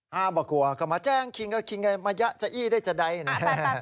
ถ้าไม่กลัวก็มาแจ้งคิงก็คิงไม่เงี๊ยะจะอี้ได้จะได้นะ